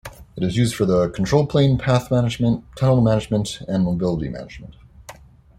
It is used for the control plane path management, tunnel management and mobility management.